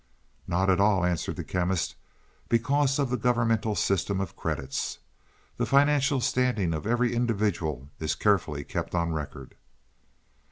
"Not at all," answered the Chemist, "because of the governmental system of credits. The financial standing of every individual is carefully kept on record."